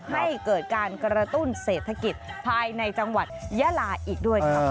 ให้เกิดการกระตุ้นเศรษฐกิจภายในจังหวัดยาลาอีกด้วยค่ะ